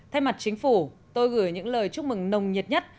thay mặt chính phủ tôi gửi những lời chúc mừng nồng nhiệt nhất